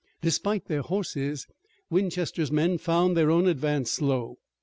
Despite their horses, Winchester's men found their own advance slow.